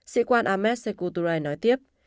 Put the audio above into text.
sĩ quan ahmed sekuturay nói tiếp